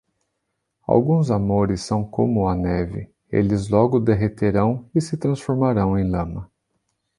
Alguns amores são como a neve: eles logo derreterão e se transformarão em lama.